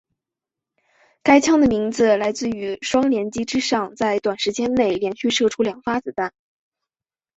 该枪的名字来自于双连击之上在短时间内连续射出两发子弹。